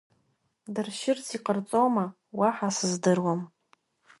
Дыршьырц иҟарҵома, уаҳа сыздыруам.